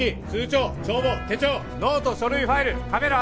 帳簿手帳ノート書類ファイルカメラ